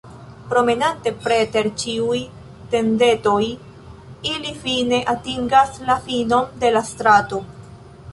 Promenante preter ĉiuj tendetoj, ili fine atingas la finon de la strato.